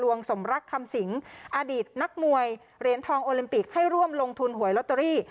สมรักคำสิงอดีตนักมวยเหรียญทองโอลิมปิกให้ร่วมลงทุนหวยลอตเตอรี่